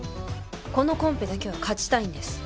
このコンペだけは勝ちたいんです。